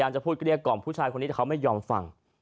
บางคนแต่พูดก็เรียกก่อมผู้ชายนี่เขาไม่ยอมฟัง